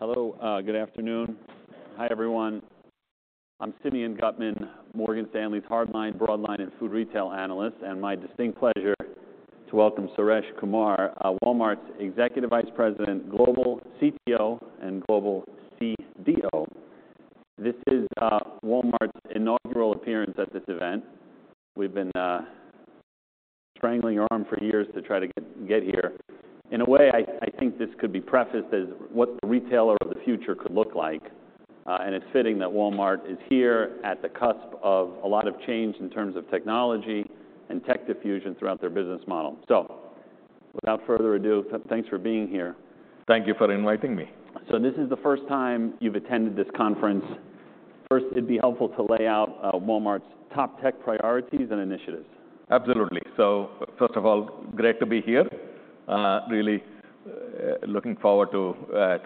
Hello, good afternoon. Hi everyone. I'm Simeon Gutman, Morgan Stanley's hardline, broadline, and food retail analyst, and my distinct pleasure to welcome Suresh Kumar, Walmart's Executive Vice President, Global CTO, and Global CDO. This is Walmart's inaugural appearance at this event. We've been twisting their arm for years to try to get here. In a way, I think this could be prefaced as what the retailer of the future could look like, and it's fitting that Walmart is here at the cusp of a lot of change in terms of technology and tech diffusion throughout their business model. So without further ado, thanks for being here. Thank you for inviting me. So this is the first time you've attended this conference. First, it'd be helpful to lay out Walmart's top tech priorities and initiatives. Absolutely. So first of all, great to be here, really, looking forward to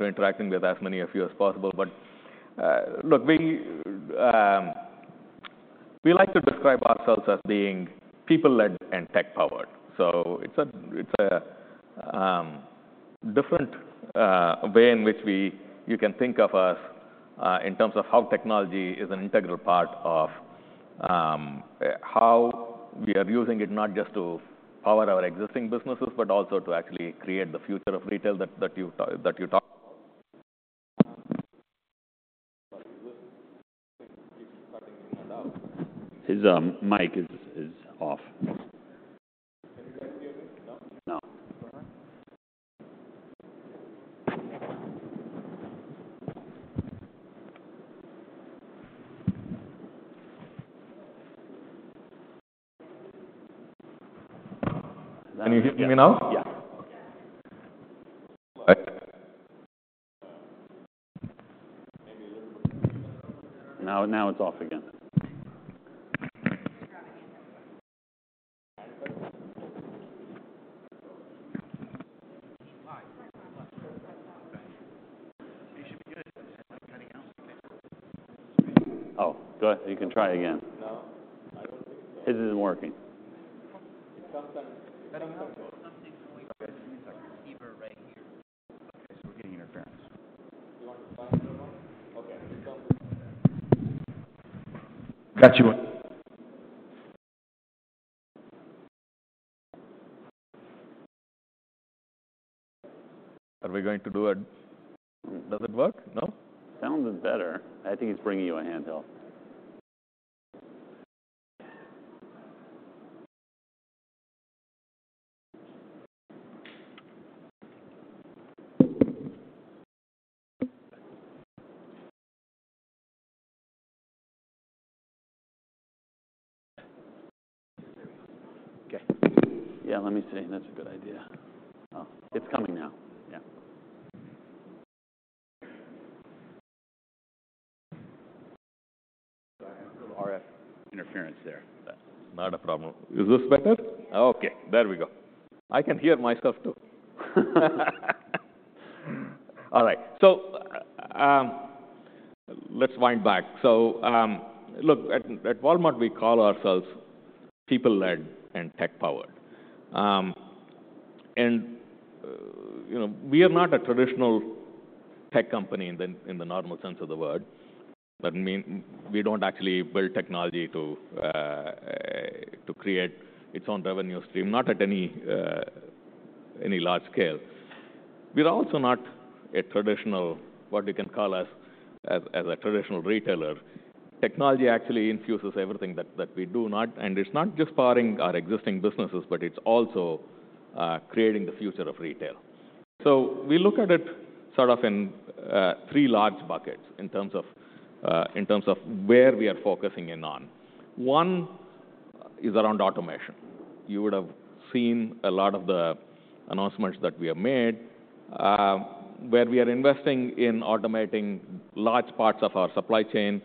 interacting with as many of you as possible. But, look, we, we like to describe ourselves as being people-led and tech-powered. So it's a different way in which you can think of us, in terms of how technology is an integral part of how we are using it not just to power our existing businesses but also to actually create the future of retail that you talk about. His mic is off. Can you guys hear me? No? No. All right. Can you hear me now? Yeah. All right. Now, now it's off again. Hi. Hi. Thank you. It should be good. It's like cutting out something. Oh, go ahead. You can try again. No, I don't think so. This isn't working. It's something. Okay. Something's going on. Okay. Give me a second. It's a receiver right here. Okay. So we're getting interference. Do you want to try it on? Okay. It's something like that. Got you one. What are we going to do at? Does it work? No? Sounded better. I think it's bringing you a handheld. Okay. Yeah. Let me see. That's a good idea. Oh, it's coming now. Yeah. I have a little RF interference there, but. Not a problem. Is this better? Oh, okay. There we go. I can hear myself too. All right. So, let's wind back. So, look, at Walmart, we call ourselves people-led and tech-powered. And, you know, we are not a traditional tech company in the normal sense of the word. That means we don't actually build technology to create its own revenue stream, not at any large scale. We're also not a traditional what you can call us as a traditional retailer. Technology actually infuses everything that we do, and it's not just powering our existing businesses but it's also creating the future of retail. So we look at it sort of in three large buckets in terms of where we are focusing in on. One is around automation. You would have seen a lot of the announcements that we have made, where we are investing in automating large parts of our supply chain,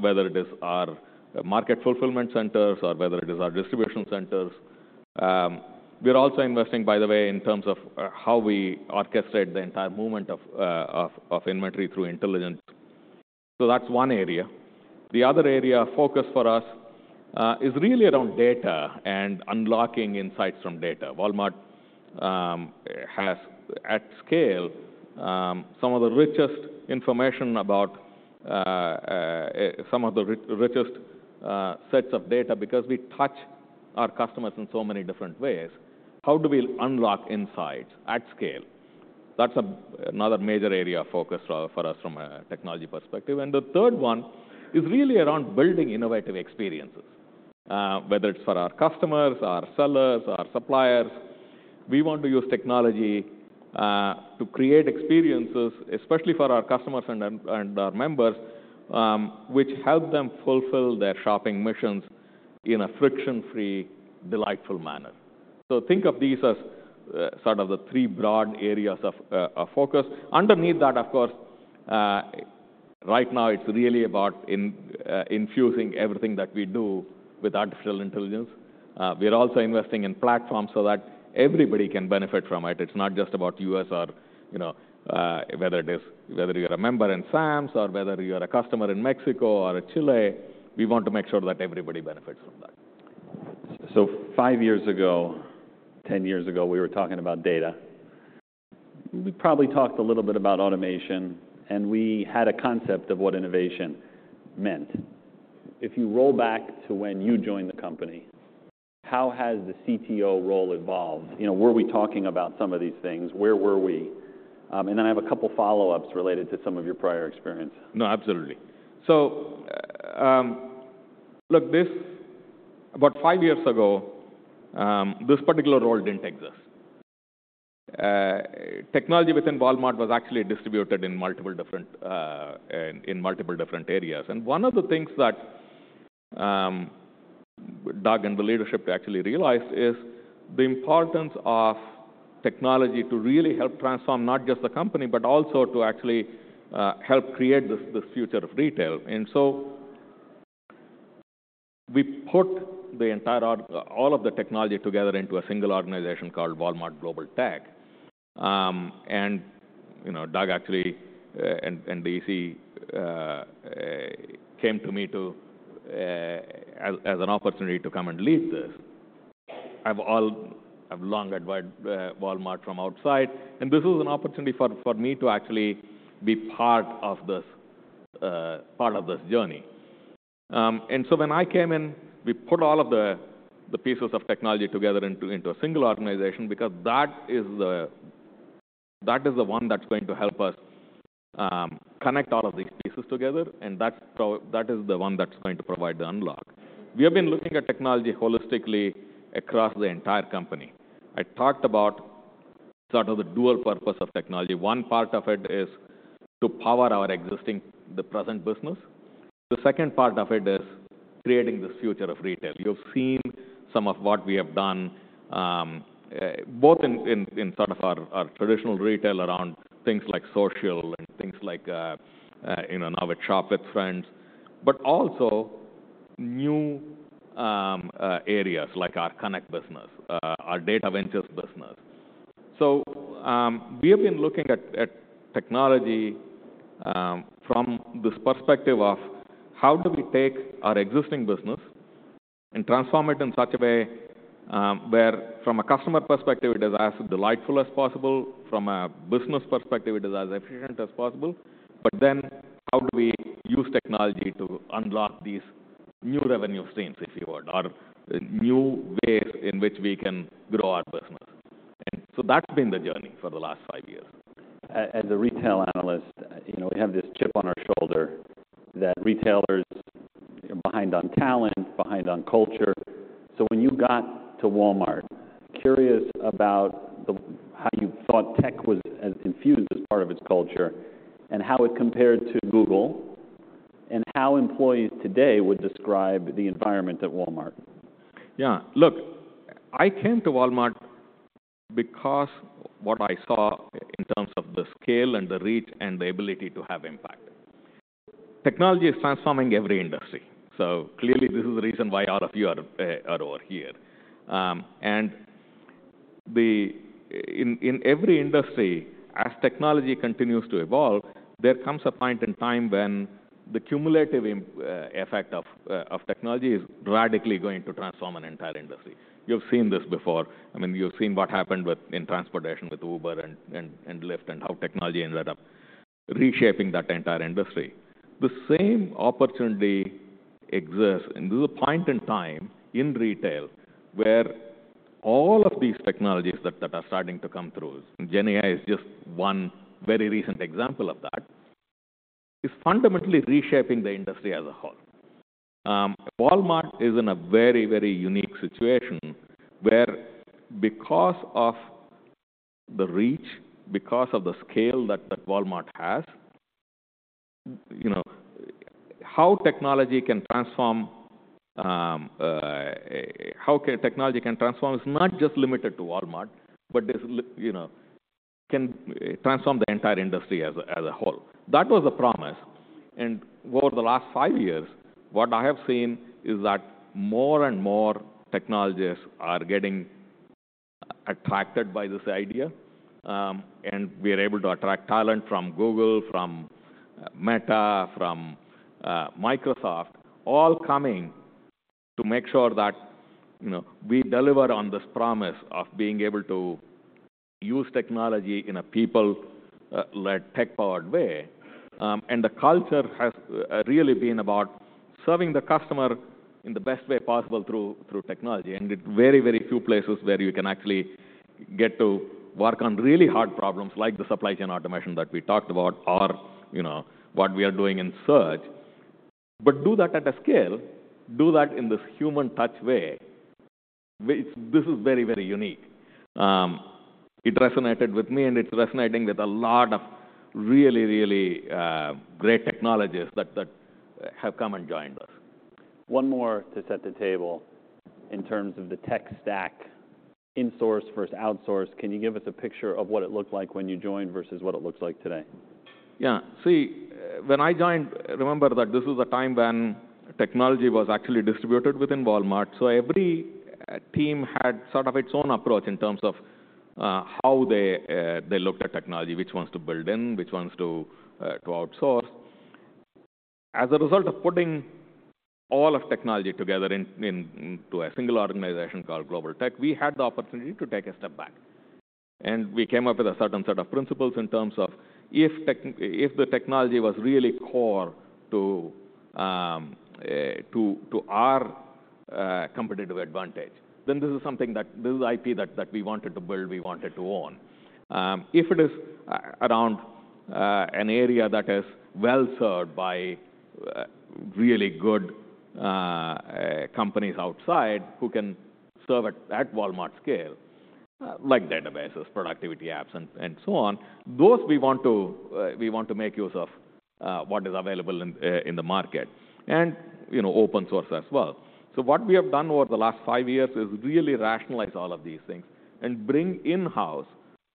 whether it is our market fulfillment centers or whether it is our distribution centers. We're also investing, by the way, in terms of how we orchestrate the entire movement of inventory through intelligence. So that's one area. The other area of focus for us is really around data and unlocking insights from data. Walmart has at scale some of the richest information about some of the richest sets of data because we touch our customers in so many different ways. How do we unlock insights at scale? That's another major area of focus for us from a technology perspective. The third one is really around building innovative experiences, whether it's for our customers, our sellers, our suppliers. We want to use technology, to create experiences, especially for our customers and, and our members, which help them fulfill their shopping missions in a friction-free, delightful manner. So think of these as, sort of the three broad areas of, of focus. Underneath that, of course, right now, it's really about infusing everything that we do with artificial intelligence. We're also investing in platforms so that everybody can benefit from it. It's not just about you as our, you know, whether it is whether you're a member in Sam's or whether you're a customer in Mexico or Chile. We want to make sure that everybody benefits from that. So 5 years ago, 10 years ago, we were talking about data. We probably talked a little bit about automation, and we had a concept of what innovation meant. If you roll back to when you joined the company, how has the CTO role evolved? You know, were we talking about some of these things? Where were we? And then I have a couple follow-ups related to some of your prior experience. No, absolutely. So, look, about five years ago, this particular role didn't exist. Technology within Walmart was actually distributed in multiple different areas. One of the things that Doug and the leadership actually realized is the importance of technology to really help transform not just the company but also to actually help create this future of retail. So we put the entire org, all of the technology, together into a single organization called Walmart Global Tech. You know, Doug actually, and the EC, came to me as an opportunity to come and lead this. I've long admired Walmart from outside, and this was an opportunity for me to actually be part of this journey. And so when I came in, we put all of the pieces of technology together into a single organization because that is the one that's going to help us connect all of these pieces together, and that is the one that's going to provide the unlock. We have been looking at technology holistically across the entire company. I talked about sort of the dual purpose of technology. One part of it is to power our existing, the present business. The second part of it is creating this future of retail. You have seen some of what we have done, both in sort of our traditional retail around things like social and things like, you know, now it's Shop with Friends but also new areas like our Connect business, our Data Ventures business. So, we have been looking at technology, from this perspective of how do we take our existing business and transform it in such a way, where from a customer perspective, it is as delightful as possible. From a business perspective, it is as efficient as possible. But then how do we use technology to unlock these new revenue streams, if you would, or new ways in which we can grow our business? And so that's been the journey for the last five years. As a retail analyst, you know, we have this chip on our shoulder that retailers are behind on talent, behind on culture. So when you got to Walmart, curious about how you thought tech was as infused as part of its culture and how it compared to Google and how employees today would describe the environment at Walmart? Yeah. Look, I came to Walmart because what I saw in terms of the scale and the reach and the ability to have impact. Technology is transforming every industry. So clearly, this is the reason why our few are over here. In every industry, as technology continues to evolve, there comes a point in time when the cumulative effect of technology is radically going to transform an entire industry. You have seen this before. I mean, you have seen what happened with transportation with Uber and Lyft and how technology ended up reshaping that entire industry. The same opportunity exists and there's a point in time in retail where all of these technologies that are starting to come through, and GenAI is just one very recent example of that, is fundamentally reshaping the industry as a whole. Walmart is in a very, very unique situation where because of the reach, because of the scale that Walmart has, you know, how technology can transform is not just limited to Walmart but, you know, can transform the entire industry as a whole. That was a promise. And over the last five years, what I have seen is that more and more technologists are getting attracted by this idea, and we are able to attract talent from Google, from Meta, from Microsoft, all coming to make sure that, you know, we deliver on this promise of being able to use technology in a people-led, tech-powered way. And the culture has really been about serving the customer in the best way possible through technology. In very, very few places where you can actually get to work on really hard problems like the supply chain automation that we talked about or, you know, what we are doing in Search. Do that at a scale. Do that in this human-touch way. It's, this is very, very unique. It resonated with me, and it's resonating with a lot of really, really great technologists that have come and joined us. One more to set the table in terms of the tech stack, insource versus outsource. Can you give us a picture of what it looked like when you joined versus what it looks like today? Yeah. See, when I joined, remember that this was a time when technology was actually distributed within Walmart. So every team had sort of its own approach in terms of, how they looked at technology, which ones to build in, which ones to outsource. As a result of putting all of technology together in to a single organization called Global Tech, we had the opportunity to take a step back. We came up with a certain set of principles in terms of if the technology was really core to our competitive advantage, then this is something that this is IP that we wanted to build, we wanted to own. If it is around an area that is well-served by really good companies outside who can serve at Walmart scale, like databases, productivity apps, and so on, those we want to make use of what is available in the market and, you know, open source as well. So what we have done over the last five years is really rationalize all of these things and bring in-house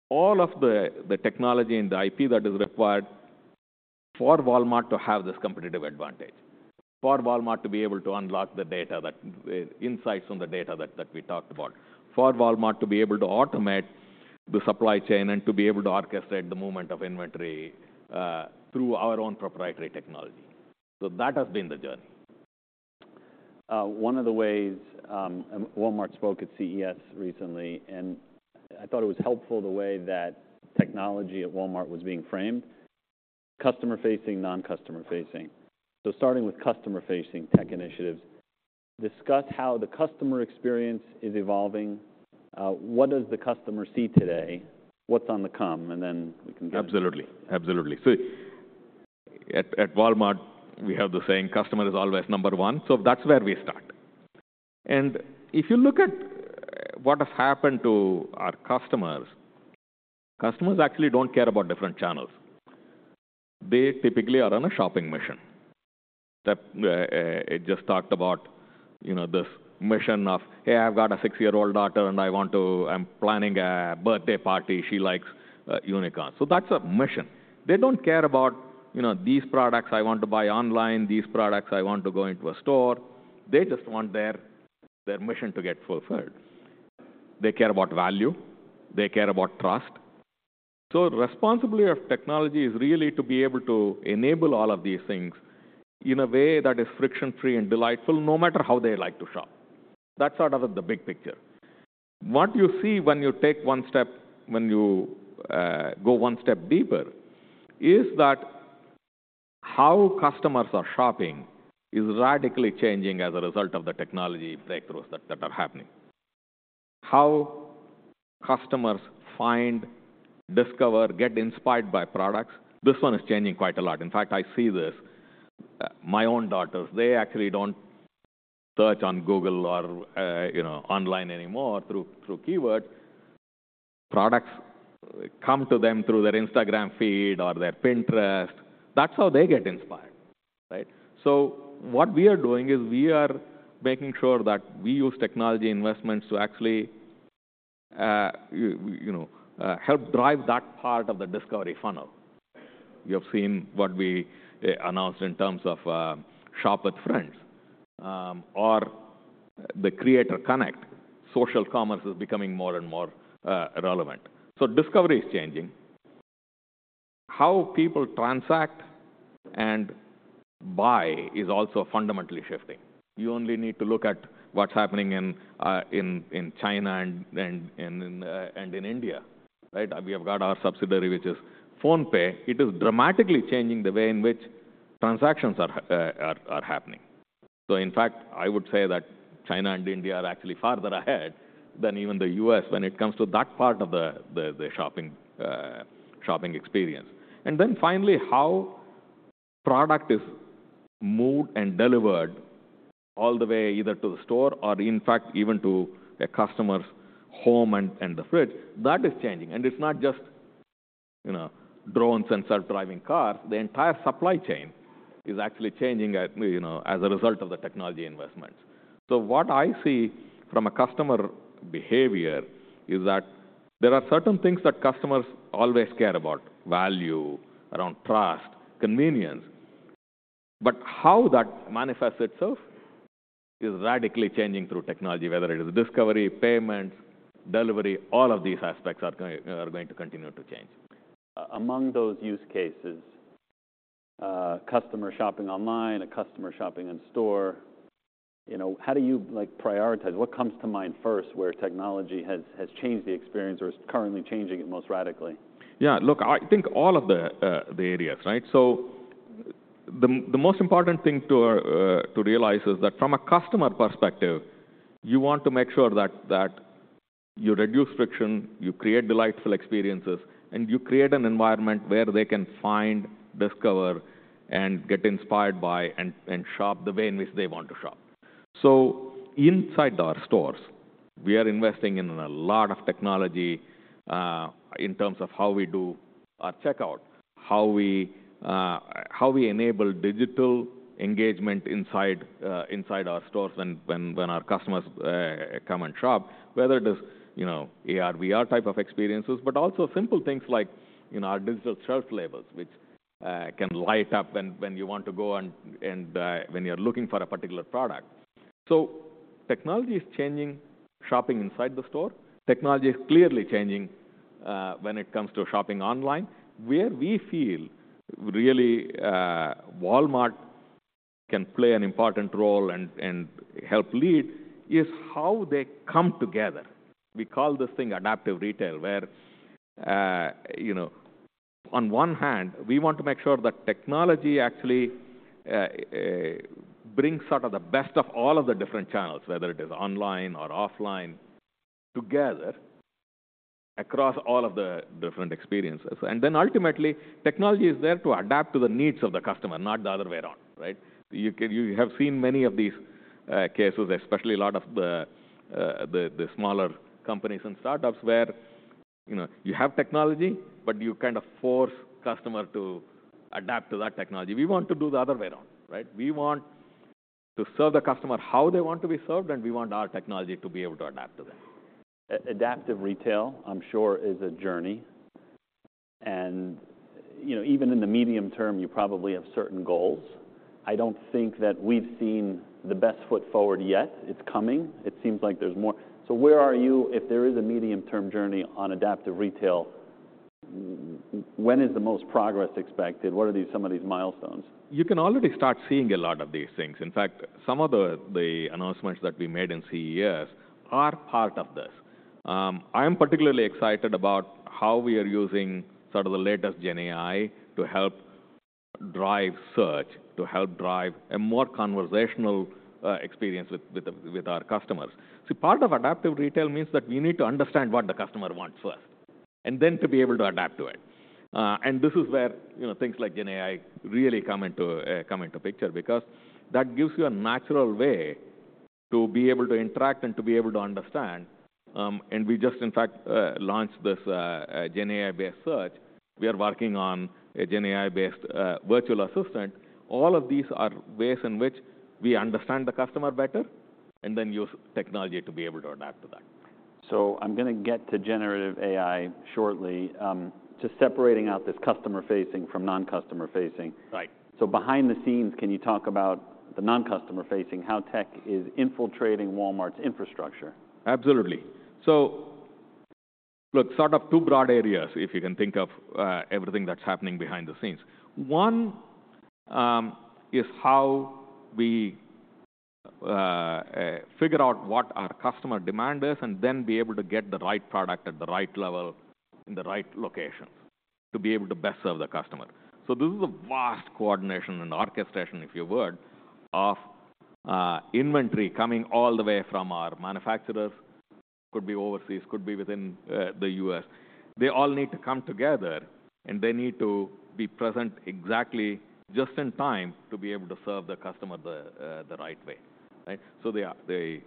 all of the technology and the IP that is required for Walmart to have this competitive advantage, for Walmart to be able to unlock the data, the insights on the data that we talked about, for Walmart to be able to automate the supply chain and to be able to orchestrate the movement of inventory through our own proprietary technology. So that has been the journey. One of the ways, Walmart spoke at CES recently, and I thought it was helpful the way that technology at Walmart was being framed, customer-facing, non-customer-facing. So starting with customer-facing tech initiatives, discuss how the customer experience is evolving. What does the customer see today? What's on the come? And then we can get. Absolutely. Absolutely. See, at Walmart, we have the saying, "Customer is always number one." So that's where we start. And if you look at what has happened to our customers, customers actually don't care about different channels. They typically are on a shopping mission. That, it just talked about, you know, this mission of, "Hey, I've got a six-year-old daughter, and I'm planning a birthday party. She likes unicorns." So that's a mission. They don't care about, you know, "These products, I want to buy online. These products, I want to go into a store." They just want their mission to get fulfilled. They care about value. They care about trust. So responsibility of technology is really to be able to enable all of these things in a way that is friction-free and delightful no matter how they like to shop. That's sort of the big picture. What you see when you take one step, go one step deeper is that how customers are shopping is radically changing as a result of the technology breakthroughs that are happening, how customers find, discover, get inspired by products. This one is changing quite a lot. In fact, I see this. My own daughters, they actually don't search on Google or, you know, online anymore through keywords. Products come to them through their Instagram feed or their Pinterest. That's how they get inspired, right? So what we are doing is we are making sure that we use technology investments to actually, you know, help drive that part of the discovery funnel. You have seen what we announced in terms of Shop with Friends, or the Creator Connect. Social commerce is becoming more and more relevant. So discovery is changing. How people transact and buy is also fundamentally shifting. You only need to look at what's happening in China and in India, right? We have got our subsidiary, which is PhonePe. It is dramatically changing the way in which transactions are happening. So in fact, I would say that China and India are actually farther ahead than even the U.S. when it comes to that part of the shopping experience. And then finally, how product is moved and delivered all the way either to the store or, in fact, even to a customer's home and the fridge, that is changing. And it's not just, you know, drones and self-driving cars. The entire supply chain is actually changing at, you know, as a result of the technology investments. So what I see from a customer behavior is that there are certain things that customers always care about, value, around trust, convenience. But how that manifests itself is radically changing through technology, whether it is discovery, payments, delivery. All of these aspects are going to continue to change. Among those use cases, customer shopping online, a customer shopping in store, you know, how do you, like, prioritize? What comes to mind first where technology has, has changed the experience or is currently changing it most radically? Yeah. Look, I think all of the areas, right? So the most important thing to realize is that from a customer perspective, you want to make sure that you reduce friction, you create delightful experiences, and you create an environment where they can find, discover, and get inspired by and shop the way in which they want to shop. So inside our stores, we are investing in a lot of technology, in terms of how we do our checkout, how we enable digital engagement inside our stores when our customers come and shop, whether it is, you know, AR/VR type of experiences but also simple things like, you know, our digital shelf labels, which can light up when you want to go and when you're looking for a particular product. So technology is changing shopping inside the store. Technology is clearly changing when it comes to shopping online. Where we feel really Walmart can play an important role and help lead is how they come together. We call this thing adaptive retail where, you know, on one hand, we want to make sure that technology actually brings sort of the best of all of the different channels, whether it is online or offline, together across all of the different experiences. And then ultimately, technology is there to adapt to the needs of the customer, not the other way around, right? You have seen many of these cases, especially a lot of the smaller companies and startups where, you know, you have technology, but you kind of force customer to adapt to that technology. We want to do the other way around, right? We want to serve the customer how they want to be served, and we want our technology to be able to adapt to them. Adaptive Retail, I'm sure, is a journey. You know, even in the medium term, you probably have certain goals. I don't think that we've seen the best foot forward yet. It's coming. It seems like there's more. So where are you if there is a medium-term journey on Adaptive Retail? When is the most progress expected? What are some of these milestones? You can already start seeing a lot of these things. In fact, some of the announcements that we made in CES are part of this. I am particularly excited about how we are using sort of the latest GenAI to help drive search, to help drive a more conversational experience with our customers. See, part of Adaptive Retail means that we need to understand what the customer wants first and then to be able to adapt to it. And this is where, you know, things like GenAI really come into picture because that gives you a natural way to be able to interact and to be able to understand. And we just, in fact, launched this GenAI-based search. We are working on a GenAI-based virtual assistant. All of these are ways in which we understand the customer better and then use technology to be able to adapt to that. I'm going to get to generative AI shortly, to separating out this customer-facing from non-customer-facing. Right. Behind the scenes, can you talk about the non-customer-facing, how tech is infiltrating Walmart's infrastructure? Absolutely. So look, sort of two broad areas, if you can think of, everything that's happening behind the scenes. One is how we figure out what our customer demand is and then be able to get the right product at the right level in the right locations to be able to best serve the customer. So this is a vast coordination and orchestration, if you would, of inventory coming all the way from our manufacturers. Could be overseas. Could be within the U.S. They all need to come together, and they need to be present exactly just in time to be able to serve the customer the right way, right? So there are the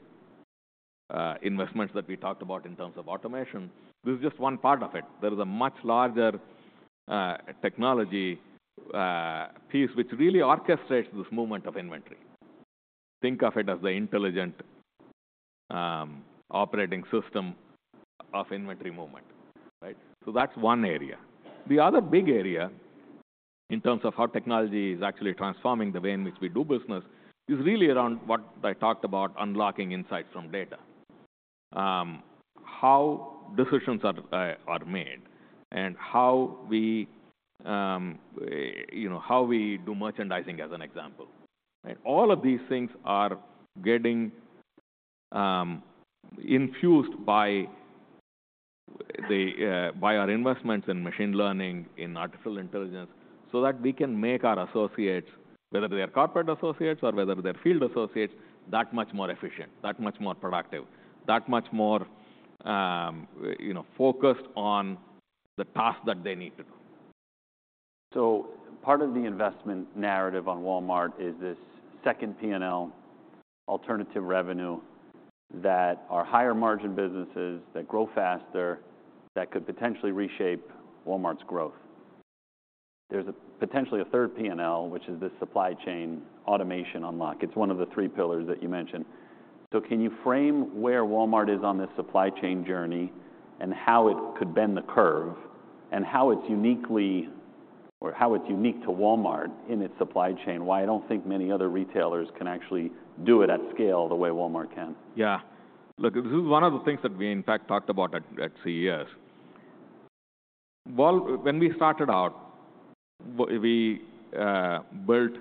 investments that we talked about in terms of automation. This is just one part of it. There is a much larger technology piece which really orchestrates this movement of inventory. Think of it as the intelligent operating system of inventory movement, right? So that's one area. The other big area in terms of how technology is actually transforming the way in which we do business is really around what I talked about, unlocking insights from data, how decisions are made, and how we, you know, how we do merchandising as an example, right? All of these things are getting infused by our investments in machine learning, in artificial intelligence so that we can make our associates, whether they are corporate associates or whether they are field associates, that much more efficient, that much more productive, that much more, you know, focused on the tasks that they need to do. So part of the investment narrative on Walmart is this second P&L, alternative revenue that are higher-margin businesses that grow faster, that could potentially reshape Walmart's growth. There's potentially a third P&L, which is this supply chain automation unlock. It's one of the three pillars that you mentioned. So can you frame where Walmart is on this supply chain journey and how it could bend the curve and how it's uniquely or how it's unique to Walmart in its supply chain, why I don't think many other retailers can actually do it at scale the way Walmart can? Yeah. Look, this is one of the things that we, in fact, talked about at CES. While when we started out, we built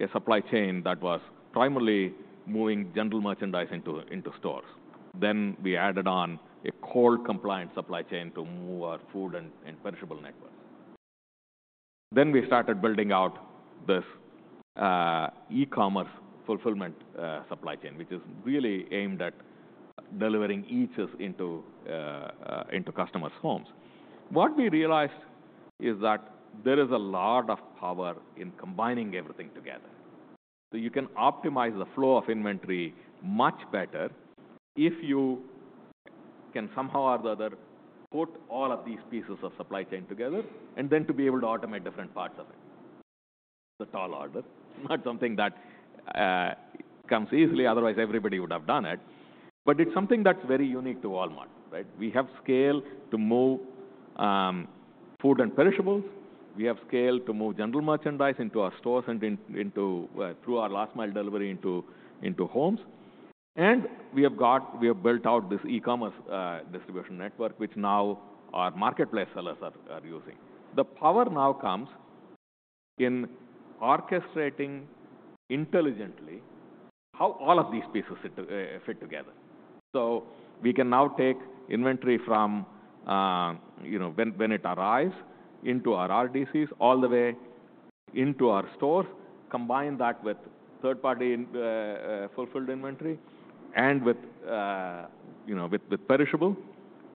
a supply chain that was primarily moving general merchandise into stores. Then we added on a core compliance supply chain to move our food and perishable networks. Then we started building out this e-commerce fulfillment supply chain, which is really aimed at delivering eats into customers' homes. What we realized is that there is a lot of power in combining everything together. So you can optimize the flow of inventory much better if you can somehow or the other put all of these pieces of supply chain together and then to be able to automate different parts of it. The tall order, not something that comes easily. Otherwise, everybody would have done it. But it's something that's very unique to Walmart, right? We have scale to move food and perishables. We have scale to move general merchandise into our stores and through our last-mile delivery into homes. We have built out this e-commerce distribution network, which now our marketplace sellers are using. The power now comes in orchestrating intelligently how all of these pieces fit together. So we can now take inventory from, you know, when it arrives into our RDCs, all the way into our stores, combine that with third-party fulfilled inventory, and with, you know, with perishable,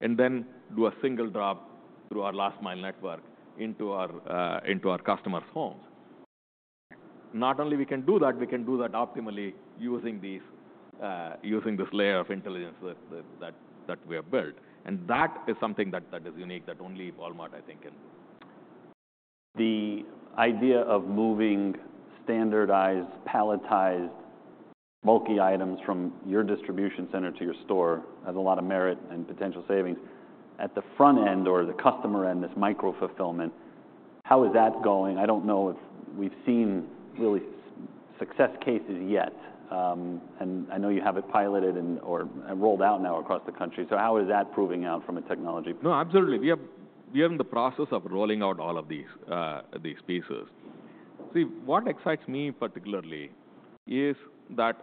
and then do a single drop through our last-mile network into our customers' homes. Not only we can do that, we can do that optimally using this layer of intelligence that we have built. And that is something that is unique that only Walmart, I think, can do. The idea of moving standardized, palletized, bulky items from your distribution center to your store has a lot of merit and potential savings. At the front end or the customer end, this micro-fulfillment, how is that going? I don't know if we've seen really success cases yet. I know you have it piloted and or rolled out now across the country. So how is that proving out from a technology perspective? No, absolutely. We are in the process of rolling out all of these pieces. See, what excites me particularly is that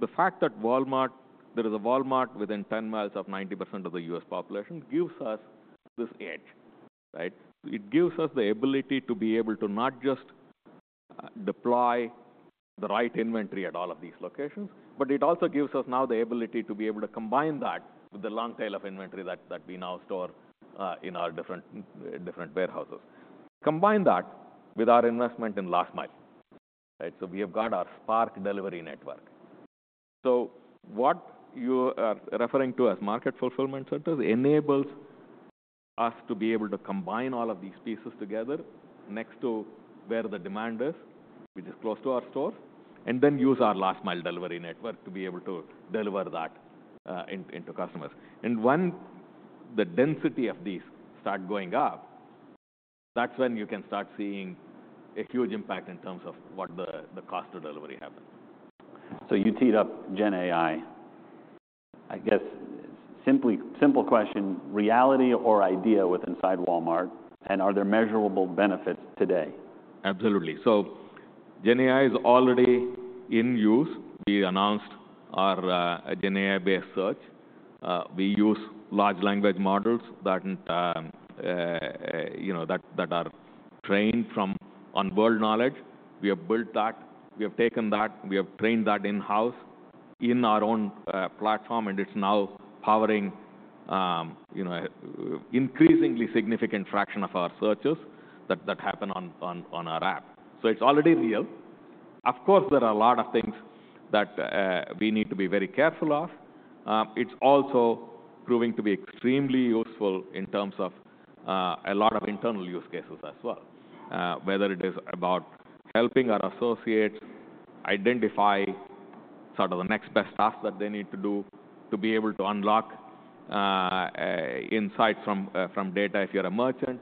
the fact that there is a Walmart within 10 miles of 90% of the U.S. population gives us this edge, right? It gives us the ability to be able to not just deploy the right inventory at all of these locations, but it also gives us now the ability to be able to combine that with the long tail of inventory that we now store in our different warehouses. Combine that with our investment in last-mile, right? So we have got our Spark delivery network. So what you are referring to as Market Fulfillment Centers enables us to be able to combine all of these pieces together next to where the demand is, which is close to our stores, and then use our last-mile delivery network to be able to deliver that, into, into customers. When the density of these starts going up, that's when you can start seeing a huge impact in terms of what the, the cost of delivery happens. So you teed up GenAI. I guess simply, simple question: reality or idea within Walmart, and are there measurable benefits today? Absolutely. So GenAI is already in use. We announced our GenAI-based Search. We use large language models that, you know, are trained from real-world knowledge. We have built that. We have taken that. We have trained that in-house in our own platform, and it's now powering, you know, increasingly significant fraction of our searches that happen on our app. So it's already real. Of course, there are a lot of things that we need to be very careful of. It's also proving to be extremely useful in terms of a lot of internal use cases as well, whether it is about helping our associates identify sort of the next best tasks that they need to do to be able to unlock insights from data if you're a merchant,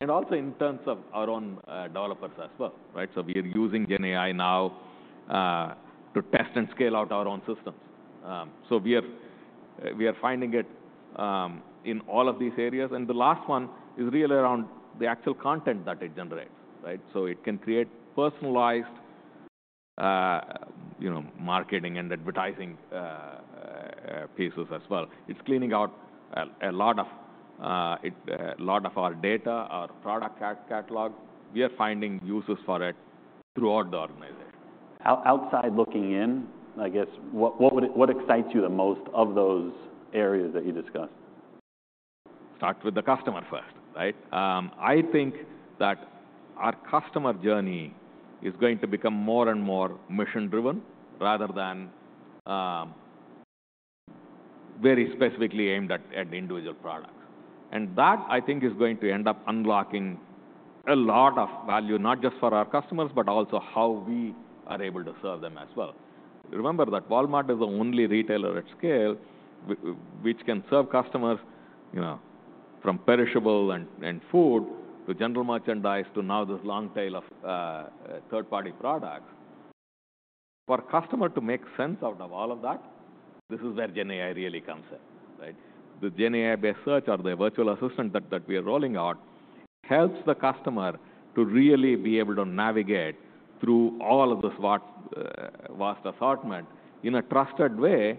and also in terms of our own developers as well, right? So we are using GenAI now to test and scale out our own systems. So we are finding it in all of these areas. And the last one is really around the actual content that it generates, right? So it can create personalized, you know, marketing and advertising pieces as well. It's cleaning out a lot of our data, our product catalog. We are finding uses for it throughout the organization. Outside looking in, I guess, what would excite you the most of those areas that you discussed? Start with the customer first, right? I think that our customer journey is going to become more and more mission-driven rather than very specifically aimed at individual products. That, I think, is going to end up unlocking a lot of value, not just for our customers, but also how we are able to serve them as well. Remember that Walmart is the only retailer at scale which can serve customers, you know, from perishable and food to general merchandise to now this long tail of third-party products. For a customer to make sense out of all of that, this is where GenAI really comes in, right? The GenAI-based Search or the virtual assistant that we are rolling out helps the customer to really be able to navigate through all of this vast, vast assortment in a trusted way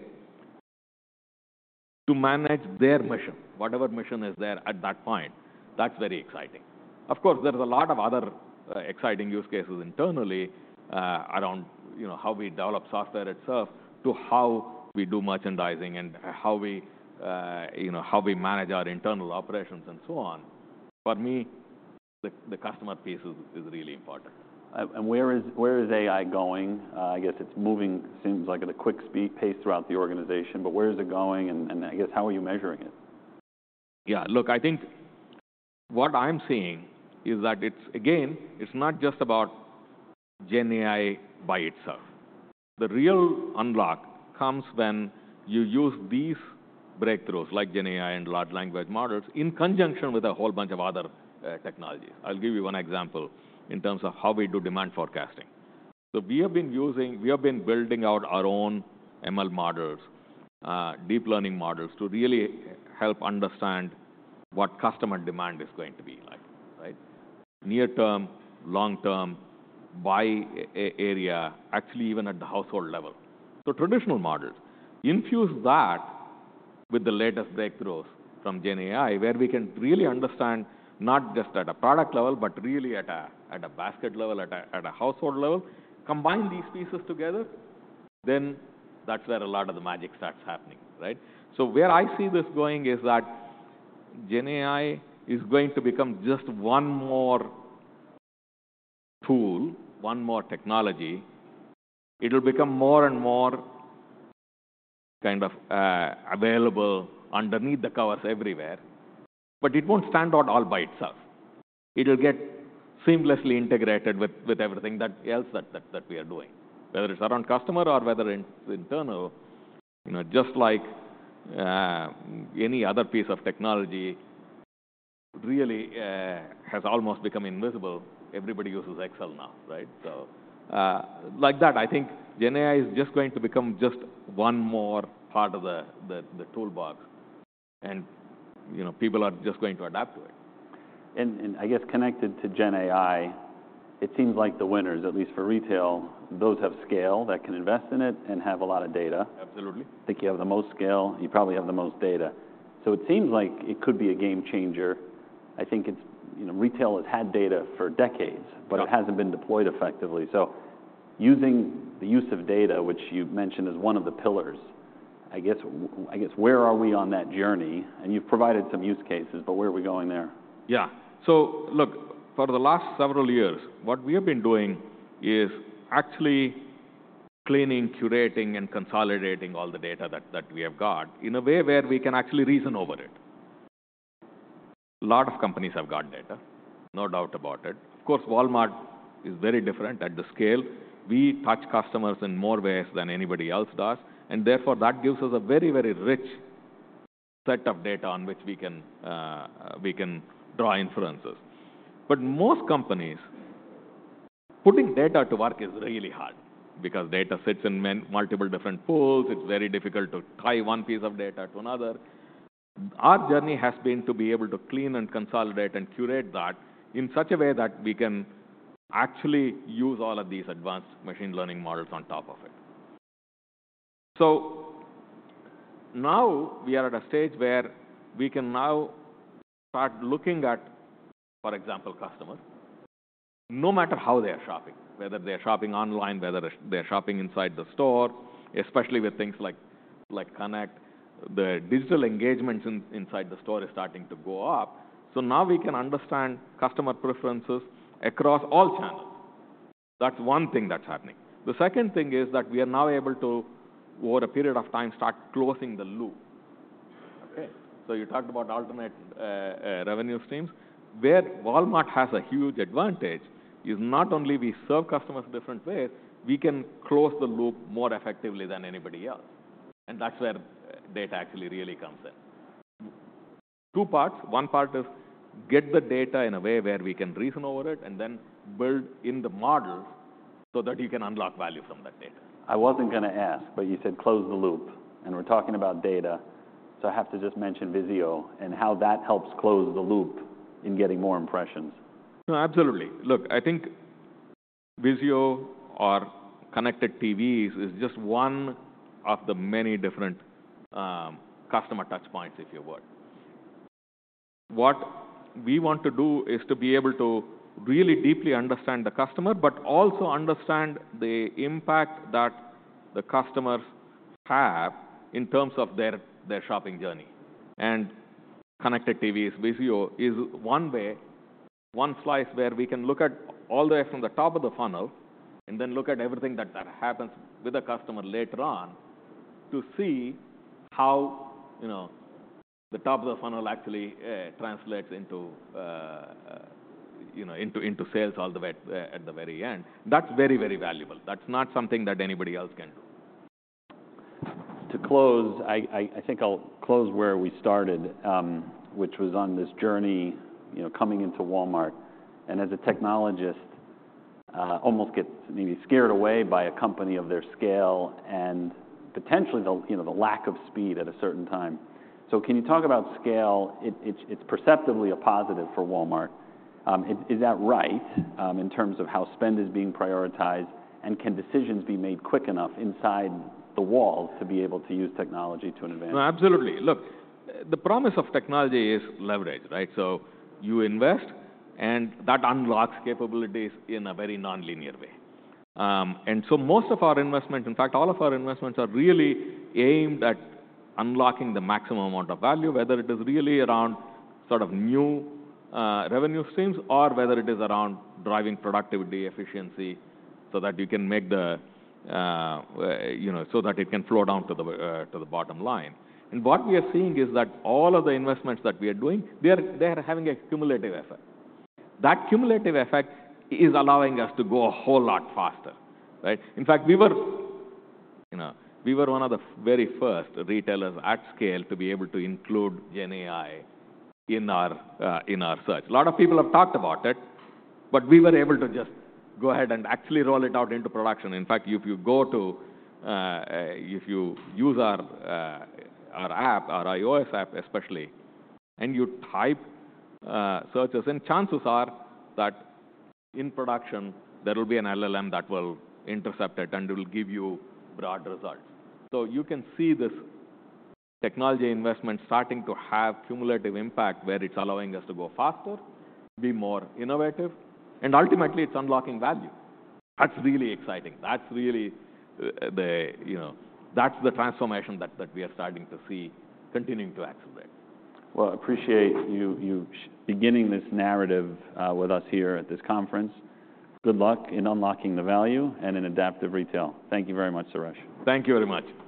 to manage their mission, whatever mission is there at that point. That's very exciting. Of course, there's a lot of other, exciting use cases internally, around, you know, how we develop software itself to how we do merchandising and how we, you know, how we manage our internal operations and so on. For me, the customer piece is really important. And where is AI going? I guess it seems like it's moving at a quick pace throughout the organization. But where is it going? And I guess how are you measuring it? Yeah. Look, I think what I'm seeing is that it's again, it's not just about GenAI by itself. The real unlock comes when you use these breakthroughs like GenAI and large language models in conjunction with a whole bunch of other technologies. I'll give you one example in terms of how we do demand forecasting. So we have been building out our own ML models, deep learning models to really help understand what customer demand is going to be like, right? Near term, long term, by area, actually even at the household level. So traditional models, infuse that with the latest breakthroughs from GenAI where we can really understand not just at a product level but really at a basket level, at a household level, combine these pieces together, then that's where a lot of the magic starts happening, right? So where I see this going is that GenAI is going to become just one more tool, one more technology. It'll become more and more kind of available underneath the covers everywhere, but it won't stand out all by itself. It'll get seamlessly integrated with everything else that we are doing, whether it's around customer or whether it's internal. You know, just like any other piece of technology really has almost become invisible. Everybody uses Excel now, right? So, like that, I think GenAI is just going to become just one more part of the toolbox, and, you know, people are just going to adapt to it. And, I guess connected to GenAI, it seems like the winners, at least for retail, those have scale that can invest in it and have a lot of data. Absolutely. I think you have the most scale. You probably have the most data. So it seems like it could be a game changer. I think it's, you know, retail has had data for decades, but it hasn't been deployed effectively. So using the use of data, which you mentioned as one of the pillars, I guess, I guess where are we on that journey? And you've provided some use cases, but where are we going there? Yeah. So look, for the last several years, what we have been doing is actually cleaning, curating, and consolidating all the data that, that we have got in a way where we can actually reason over it. A lot of companies have got data, no doubt about it. Of course, Walmart is very different at the scale. We touch customers in more ways than anybody else does, and therefore, that gives us a very, very rich set of data on which we can, we can draw inferences. But most companies, putting data to work is really hard because data sits in many multiple different pools. It's very difficult to tie one piece of data to another. Our journey has been to be able to clean and consolidate and curate that in such a way that we can actually use all of these advanced machine learning models on top of it. So now we are at a stage where we can now start looking at, for example, customers, no matter how they are shopping, whether they are shopping online, whether they are shopping inside the store, especially with things like, like Connect. The digital engagements in, inside the store are starting to go up. So now we can understand customer preferences across all channels. That's one thing that's happening. The second thing is that we are now able to, over a period of time, start closing the loop, okay? So you talked about alternate, revenue streams. Where Walmart has a huge advantage is not only we serve customers different ways, we can close the loop more effectively than anybody else. And that's where data actually really comes in. Two parts. One part is get the data in a way where we can reason over it and then build in the models so that you can unlock value from that data. I wasn't going to ask, but you said close the loop, and we're talking about data. So I have to just mention Vizio and how that helps close the loop in getting more impressions. No, absolutely. Look, I think Vizio or Connected TVs is just one of the many different, customer touchpoints, if you will. What we want to do is to be able to really deeply understand the customer but also understand the impact that the customers have in terms of their shopping journey. And Connected TVs, Vizio, is one way, one slice where we can look at all the way from the top of the funnel and then look at everything that happens with a customer later on to see how, you know, the top of the funnel actually translates into, you know, into sales all the way at the very end. That's very, very valuable. That's not something that anybody else can do. To close, I think I'll close where we started, which was on this journey, you know, coming into Walmart. And as a technologist, almost gets maybe scared away by a company of their scale and potentially the, you know, the lack of speed at a certain time. So can you talk about scale? It's perceptibly a positive for Walmart. Is that right, in terms of how spend is being prioritized, and can decisions be made quick enough inside the walls to be able to use technology to an advantage? No, absolutely. Look, the promise of technology is leverage, right? So you invest, and that unlocks capabilities in a very nonlinear way. And so most of our investment, in fact, all of our investments are really aimed at unlocking the maximum amount of value, whether it is really around sort of new revenue streams or whether it is around driving productivity, efficiency so that you can make the, you know, so that it can flow down to the bottom line. And what we are seeing is that all of the investments that we are doing, they are, they are having a cumulative effect. That cumulative effect is allowing us to go a whole lot faster, right? In fact, we were, you know, we were one of the very first retailers at scale to be able to include GenAI in our search. A lot of people have talked about it, but we were able to just go ahead and actually roll it out into production. In fact, if you go to, if you use our, our app, our iOS app especially, and you type searches, and chances are that in production, there will be an LLM that will intercept it and it will give you broad results. So you can see this technology investment starting to have cumulative impact where it's allowing us to go faster, be more innovative, and ultimately, it's unlocking value. That's really exciting. That's really the, you know, that's the transformation that, that we are starting to see continuing to accelerate. Well, I appreciate you sharing this narrative with us here at this conference. Good luck in unlocking the value and in Adaptive Retail. Thank you very much, Suresh. Thank you very much.